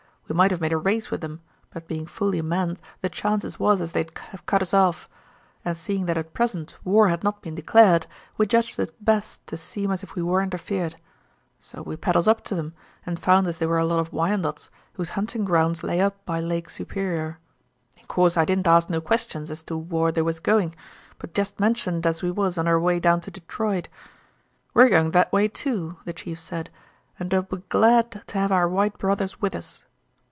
We might have made a race with 'em, but being fully manned the chances was as they'd have cut us off, and seeing that at present war had not been declared, we judged it best to seem as if we weren't afeared. So we paddles up to 'em and found as they were a lot of Wyandots whose hunting grounds lay up by Lake Superior. In course I didn't ask no questions as to whar they was going, but jest mentioned as we was on our way down to Detroit. 'We're going that way, too,' the chief said, 'and 'll be glad to have our white brothers with us.'